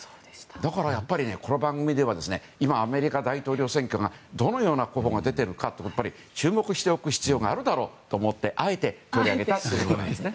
だからやっぱり、この番組では今、アメリカ大統領選挙にどのような候補が出てるか注目しておく必要があるだろうと思ってあえて、取り上げてきました。